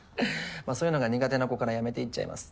まあそういうのが苦手な子から辞めていっちゃいます。